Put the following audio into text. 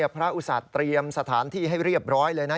อุตส่าห์เตรียมสถานที่ให้เรียบร้อยเลยนะ